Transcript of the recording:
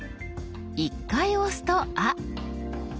１回押すと「あ」。